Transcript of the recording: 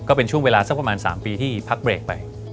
ก็เป็นช่วงเวลาสักประมาณ๓ปีที่พักเบรกไป